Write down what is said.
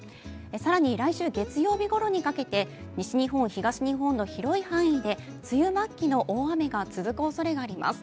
更に来週月曜日ごろにかけて西日本、東日本の広い範囲で梅雨末期の雨が続くおそれがあります。